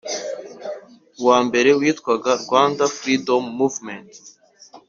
uwa mbere witwaga rwanda freedom movement